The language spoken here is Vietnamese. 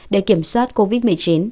để kiểm soát covid một mươi chín